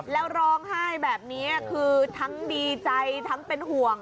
แล้วร้องไห้แบบนี้คือทั้งดีใจทั้งเป็นห่วง